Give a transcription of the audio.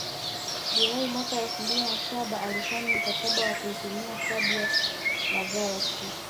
Julai mwaka elfu mbili na saba alisaini mkataba wa kuitumikia klabu ya La Galaxy